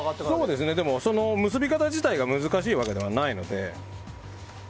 でも、結び方自体が難しいわけではないので。